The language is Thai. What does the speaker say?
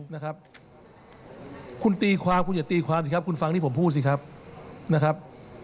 นะครับคุณตีความคุณอย่าตีความสิครับคุณฟังที่ผมพูดสิครับนะครับ